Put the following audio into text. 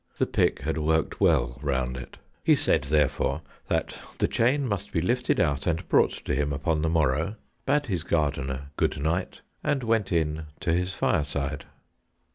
The pick had worked well round it. He said, therefore, that the chain must be lifted out and brought to him upon the morrow, bade his gardener good night, and went in to his fireside.